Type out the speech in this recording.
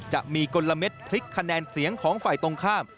จะมีกลมพลิกคะแนนเสียงของฝ่ายตรงข้าม